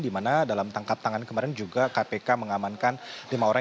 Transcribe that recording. di mana dalam tangkap tangan kemarin juga kpk mengamankan lima orang